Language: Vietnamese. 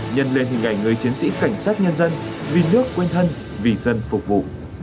nhân lên hình ảnh người chiến sĩ cảnh sát nhân dân vì nước quên thân vì dân phục vụ